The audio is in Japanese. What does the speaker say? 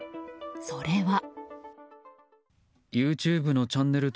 それは。